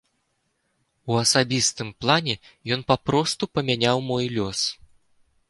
У асабістым плане ён папросту памяняў мой лёс.